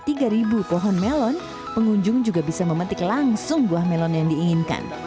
dengan berharga sekitar rp satu pohon melon pengunjung juga bisa memetik langsung buah melon yang diinginkan